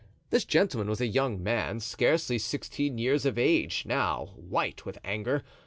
This gentleman was a young man, scarcely sixteen years of age, now white with anger.